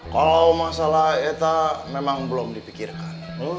kalau masalah eta memang belum dipikirkan